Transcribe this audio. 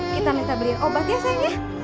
kita minta beliin obat ya sayang ya